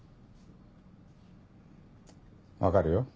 分かるよ